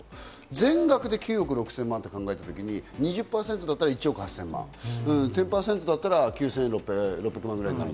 全額で９億６０００万と考えた時、２０％だったら１億８０００万、１０％だったら９６００万ぐらいか。